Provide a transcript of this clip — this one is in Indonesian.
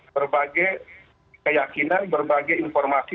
berbagai keyakinan berbagai informasi